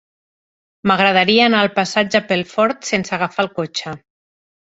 M'agradaria anar al passatge Pelfort sense agafar el cotxe.